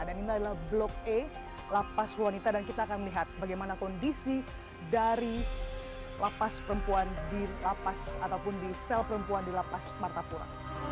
dan ini adalah blok e lapas wanita dan kita akan melihat bagaimana kondisi dari lapas perempuan di lapas ataupun di sel perempuan di lapas martapura